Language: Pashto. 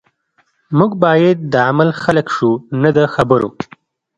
موږ باید د عمل خلک شو نه د خبرو